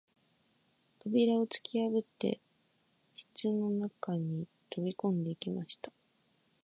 扉をつきやぶって室の中に飛び込んできました